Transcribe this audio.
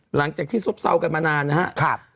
หลังจากที่ซ้มเส้ากันมานานนะฮะค่ะ